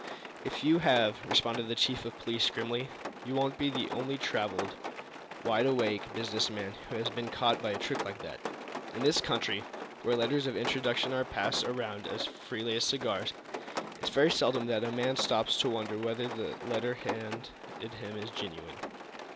"If you have," responded the chief of police, grimly, "you won't be the only traveled, wide awake business man who has been caught by a trick like that. In this country, where letters of introduction are passed around as freely as cigars, it's very seldom that a man stops to wonder whether the letter handed him is genuine."